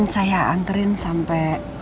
saya anterin sampai